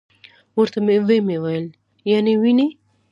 ورته ومي ویل: یا نې وینې .